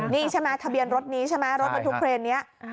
นี่ใช่ไหมทะเบียนรถนี้ใช่ไหมรถบรรทุกเครนนี้